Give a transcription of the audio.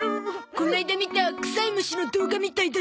この間見たくさい虫の動画みたいだゾ。